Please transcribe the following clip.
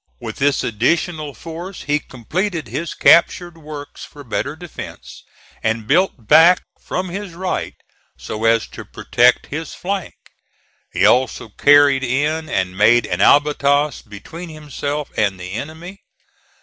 With this additional force he completed his captured works for better defence, and built back from his right, so as to protect his flank. He also carried in and made an abatis between himself and the enemy.